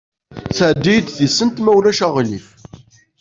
Sɛeddi-yi-d tisent, ma ulac aɣilif?